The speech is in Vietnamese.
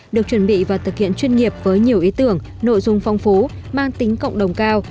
được chuẩn bị và thực hiện chuyên nghiệp với nhiều ý tưởng nội dung phong phú mang tính cộng đồng cao